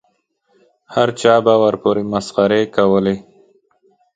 هر چا به ورپورې مسخرې کولې.